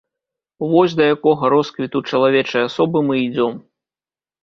Вось да якога росквіту чалавечай асобы мы ідзём.